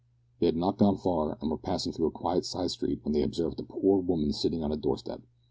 They had not gone far, and were passing through a quiet side street, when they observed a poor woman sitting on a door step.